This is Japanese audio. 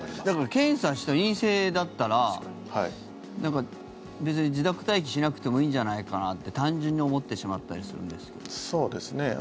だから検査して陰性だったら別に自宅待機しなくてもいいんじゃないかなって単純に思ってしまったりするんですけど。